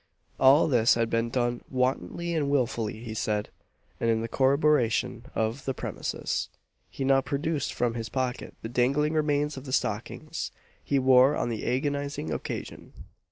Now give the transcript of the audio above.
All this had been done wantonly and wilfully, he said; and in corroboration of the premises, he now produced from his pocket the dangling remains of the stockings he wore on the agonizing occasion.